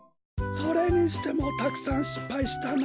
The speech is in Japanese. それにしてもたくさんしっぱいしたなあ。